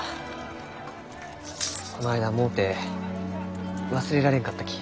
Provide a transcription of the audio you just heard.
こないだうもうて忘れられんかったき。